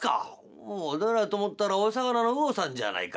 「おお誰かと思ったらお魚のうおさんじゃないか。